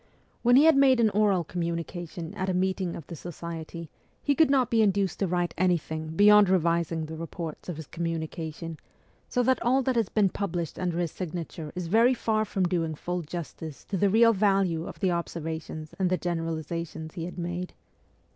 When he had made an oral com munication at a meeting of the Society he could not be induced to write anything beyond revising the reports of his communication, so that all that has been published under his signature is very far from doing full justice to the real value of the observations and the generalizations he had made.